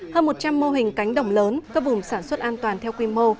hơn một trăm linh mô hình cánh đồng lớn các vùng sản xuất an toàn theo quy mô